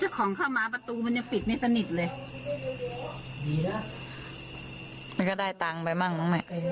เจ้าของเข้ามาประตูมันเนี้ยปิดไม่สนิทเลยดีนะมันก็ได้ตังค์ไปบ้างหรือไม่